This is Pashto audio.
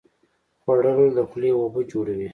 خوړل د خولې اوبه جوړوي